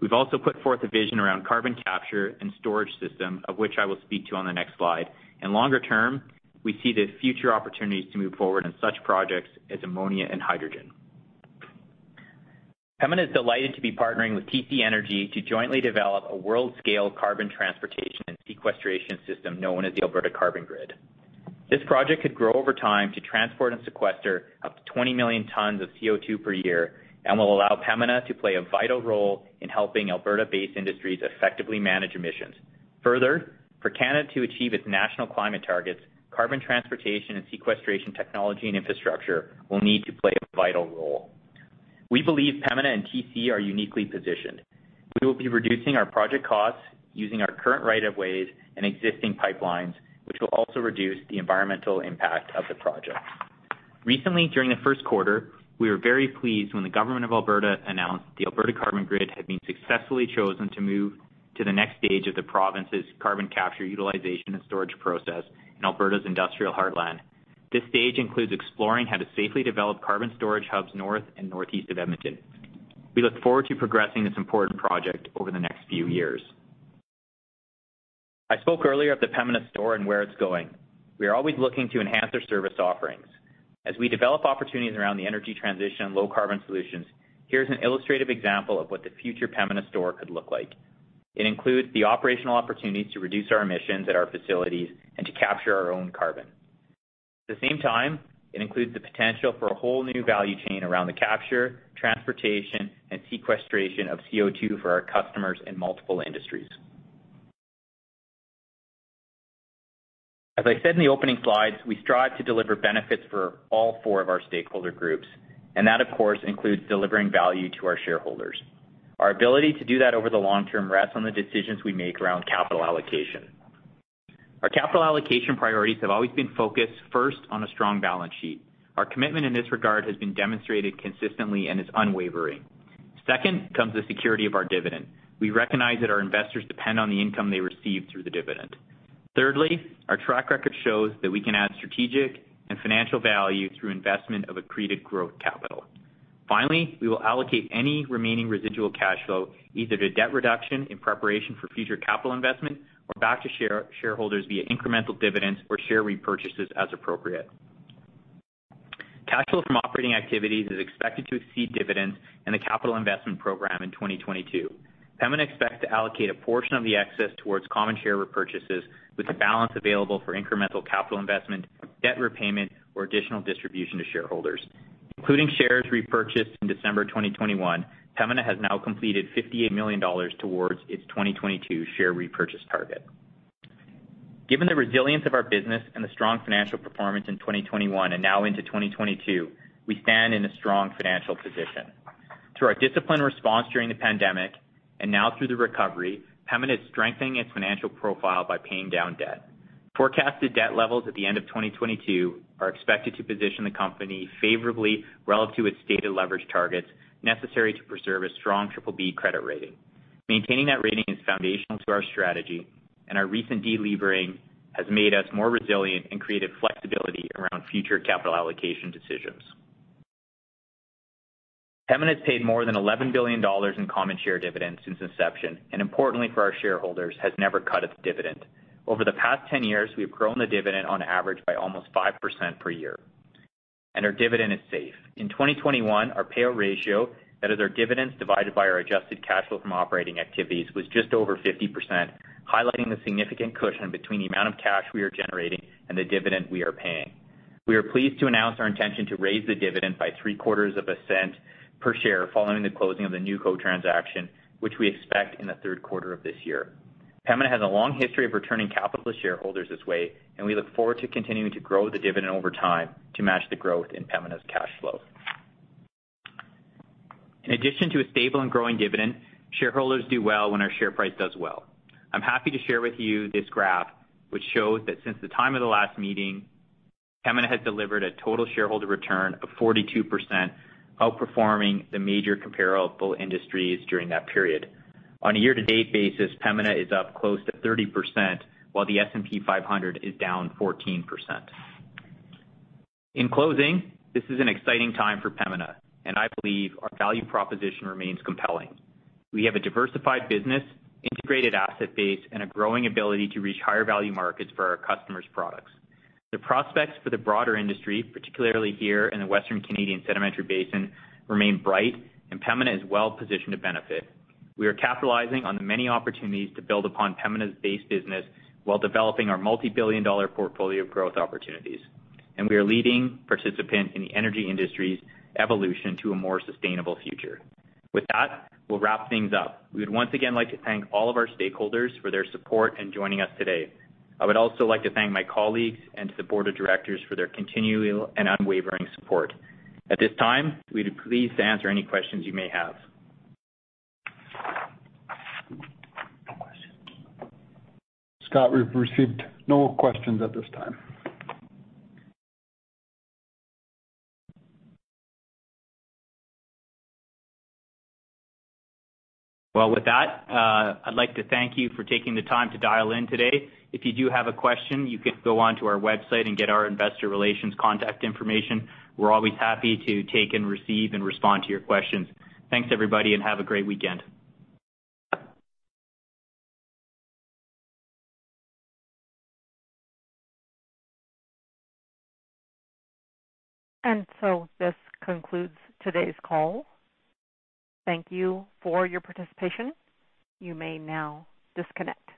We've also put forth a vision around carbon capture and storage system, of which I will speak to on the next slide. Longer term, we see the future opportunities to move forward in such projects as ammonia and hydrogen. Pembina is delighted to be partnering with TC Energy to jointly develop a world-scale carbon transportation and sequestration system known as the Alberta Carbon Grid. This project could grow over time to transport and sequester up to 20 million tons of CO2 per year and will allow Pembina to play a vital role in helping Alberta-based industries effectively manage emissions. Further, for Canada to achieve its national climate targets, carbon transportation and sequestration technology and infrastructure will need to play a vital role. We believe Pembina and TC are uniquely positioned. We will be reducing our project costs using our current rights of way and existing pipelines, which will also reduce the environmental impact of the project. Recently, during the first quarter, we were very pleased when the government of Alberta announced the Alberta Carbon Grid had been successfully chosen to move to the next stage of the province's carbon capture, utilization and storage process in Alberta's industrial heartland. This stage includes exploring how to safely develop carbon storage hubs north and northeast of Edmonton. We look forward to progressing this important project over the next few years. I spoke earlier of the Pembina store and where it's going. We are always looking to enhance their service offerings. As we develop opportunities around the energy transition and low carbon solutions, here's an illustrative example of what the future Pembina store could look like. It includes the operational opportunities to reduce our emissions at our facilities and to capture our own carbon. At the same time, it includes the potential for a whole new value chain around the capture, transportation, and sequestration of CO2 for our customers in multiple industries. As I said in the opening slides, we strive to deliver benefits for all four of our stakeholder groups, and that, of course, includes delivering value to our shareholders. Our ability to do that over the long term rests on the decisions we make around capital allocation. Our capital allocation priorities have always been focused first on a strong balance sheet. Our commitment in this regard has been demonstrated consistently and is unwavering. Second comes the security of our dividend. We recognize that our investors depend on the income they receive through the dividend. Thirdly, our track record shows that we can add strategic and financial value through investment of accretive growth capital. Finally, we will allocate any remaining residual cash flow either to debt reduction in preparation for future capital investment or back to shareholders via incremental dividends or share repurchases as appropriate. Cash flow from operating activities is expected to exceed dividends in the capital investment program in 2022. Pembina expects to allocate a portion of the excess towards common share repurchases with the balance available for incremental capital investment, debt repayment, or additional distribution to shareholders. Including shares repurchased in December 2021, Pembina has now completed 58 million dollars towards its 2022 share repurchase target. Given the resilience of our business and the strong financial performance in 2021 and now into 2022, we stand in a strong financial position. Through our disciplined response during the pandemic and now through the recovery, Pembina is strengthening its financial profile by paying down debt. Forecasted debt levels at the end of 2022 are expected to position the company favorably relative to its stated leverage targets necessary to preserve a strong BBB credit rating. Maintaining that rating is foundational to our strategy, and our recent delevering has made us more resilient and created flexibility around future capital allocation decisions. Pembina has paid more than 11 billion dollars in common share dividends since inception, and importantly for our shareholders, has never cut its dividend. Over the past 10 years, we have grown the dividend on average by almost 5% per year, and our dividend is safe. In 2021, our payout ratio, that is our dividends divided by our adjusted cash flow from operating activities, was just over 50%, highlighting the significant cushion between the amount of cash we are generating and the dividend we are paying. We are pleased to announce our intention to raise the dividend by three quarters of a CAD cent per share following the closing of the Newco transaction, which we expect in the third quarter of this year. Pembina has a long history of returning capital to shareholders this way, and we look forward to continuing to grow the dividend over time to match the growth in Pembina's cash flow. In addition to a stable and growing dividend, shareholders do well when our share price does well. I'm happy to share with you this graph, which shows that since the time of the last meeting, Pembina has delivered a total shareholder return of 42%, outperforming the major comparable indices during that period. On a year-to-date basis, Pembina is up close to 30%, while the S&P 500 is down 14%. In closing, this is an exciting time for Pembina, and I believe our value proposition remains compelling. We have a diversified business, integrated asset base, and a growing ability to reach higher value markets for our customers' products. The prospects for the broader industry, particularly here in the Western Canadian Sedimentary Basin, remain bright and Pembina is well-positioned to benefit. We are capitalizing on the many opportunities to build upon Pembina's base business while developing our multi-billion dollar portfolio of growth opportunities. We are a leading participant in the energy industry's evolution to a more sustainable future. With that, we'll wrap things up. We would once again like to thank all of our stakeholders for their support in joining us today. I would also like to thank my colleagues and to the board of directors for their continual and unwavering support. At this time, we'd be pleased to answer any questions you may have. No questions. Scott, we've received no questions at this time. Well, with that, I'd like to thank you for taking the time to dial in today. If you do have a question, you can go onto our website and get our investor relations contact information. We're always happy to take and receive and respond to your questions. Thanks, everybody, and have a great weekend. This concludes today's call. Thank you for your participation. You may now disconnect.